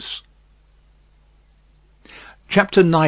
CHAPTER XIX.